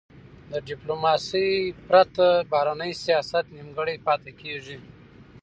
د ډیپلوماسی پرته، بهرنی سیاست نیمګړی پاته کېږي.